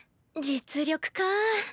実力か。